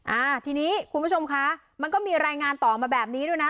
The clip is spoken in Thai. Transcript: อ่าทีนี้คุณผู้ชมคะมันก็มีรายงานต่อมาแบบนี้ด้วยนะ